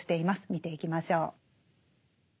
見ていきましょう。